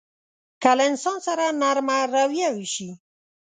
که له انسان سره نرمه رويه وشي.